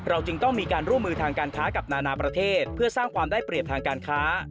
จึงต้องมีการร่วมมือทางการค้ากับนานาประเทศเพื่อสร้างความได้เปรียบทางการค้า